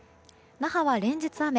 那覇は連日、雨。